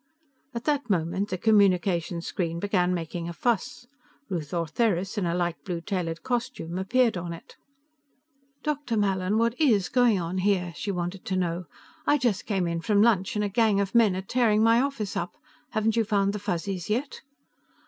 _" At that moment, the communication screen began making a fuss. Ruth Ortheris, in a light blue tailored costume, appeared in it. "Dr. Mallin, what is going on here?" she wanted to know. "I just came in from lunch, and a gang of men are tearing my office up. Haven't you found the Fuzzies yet?"